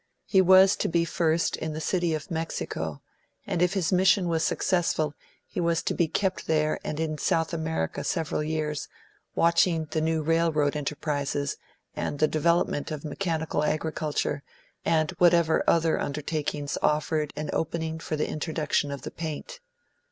He was to be first in the city of Mexico, and if his mission was successful he was to be kept there and in South America several years, watching the new railroad enterprises and the development of mechanical agriculture and whatever other undertakings offered an opening for the introduction of the paint.